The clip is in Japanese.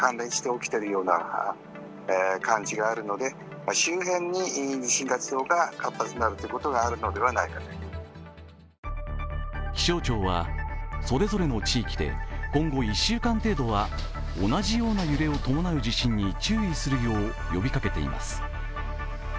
富士山周辺などで続発する地震に専門家は気象庁はそれぞれの地域で今後、１週間程度は同じような揺れを伴う地震に注意するよう呼びかけています。